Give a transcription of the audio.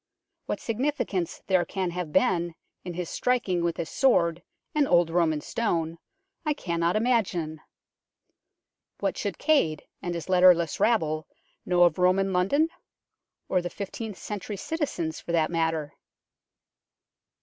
What significance there can have been in his striking with his sword an old Roman stone I cannot imagine. What should Cade and his letterless rabble know of Roman London ? or the fifteenth century citizens, for that matter